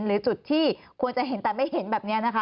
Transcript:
หรือจุดที่ควรจะเห็นแต่ไม่เห็นแบบนี้นะคะ